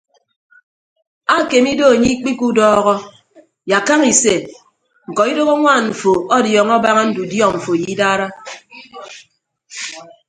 Akeme ido anye ikpiku udọọhọ yak kaña ise ñkọ idoho añwaan mfọ ọdiọñọ abaña ndudiọ mfo ye idara.